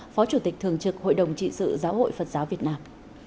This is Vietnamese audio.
phó chủ tịch thường trực hội đồng trị sự giáo hội phật giáo việt nam